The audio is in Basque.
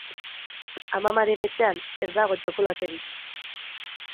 Amamaren etxean ez dago txokolaterik.